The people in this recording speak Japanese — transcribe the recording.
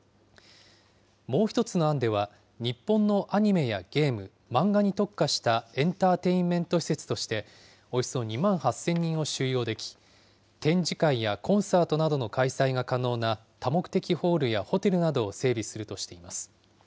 もう一つの案では、日本のアニメやゲーム、漫画に特化したエンターテインメント施設として、およそ２万８０００人を収容でき、展示会やコンサートなどの開催が可能な多目的ホールやホテルなどを整備するとしています。